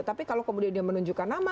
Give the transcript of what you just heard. tapi kalau kemudian dia menunjukkan nama